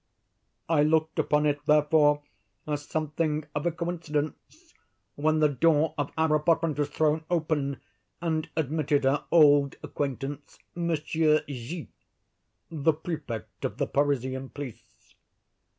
I looked upon it, therefore, as something of a coincidence, when the door of our apartment was thrown open and admitted our old acquaintance, Monsieur G——, the Prefect of the Parisian police.